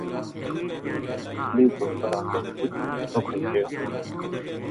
نیہہ تھو پر ہم نے مُچ سُکھ ہیریو